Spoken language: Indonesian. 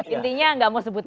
intinya enggak mau sebut